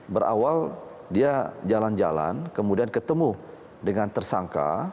berawal dia jalan jalan kemudian ketemu dengan tersangka